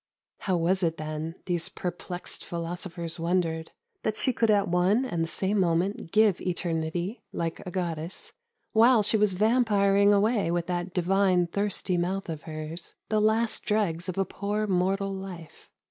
How was it then, these perplexed philosophers wondered, that she could at one and the same moment give eternity like a goddess, while she was vampiring away with that divine thirsty mouth of hers the last dregs of a poor mortal life